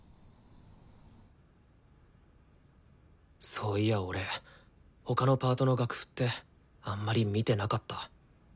そういや俺他のパートの楽譜ってあんまり見てなかった。